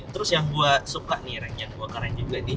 terus yang gue suka nih reng yang gue keren juga nih